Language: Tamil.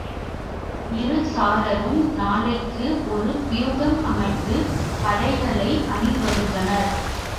இரு சாராரும் நாளைக்கு ஒரு வியூகம் அமைத்துப் படைகளை அணி வகுத்தனர்.